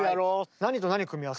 何と何組み合わせる？